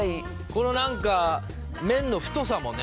この何か麺の太さもね